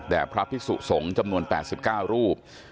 แด่พระพิศุกษงศ์จำนวน๘๙รูป